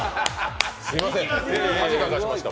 すいません、恥かかせました。